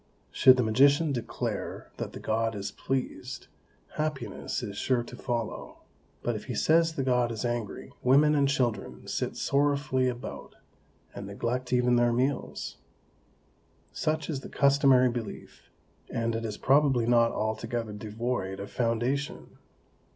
Should the magician declare that the God is pleased, happiness is sure to follow; but if he says the God is angry, women and children sit sorrowfully about, and neglect even their meals. Such is the customary belief, and it is probably not altogether devoid of foundation.